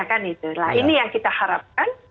kan itu nah ini yang kita harapkan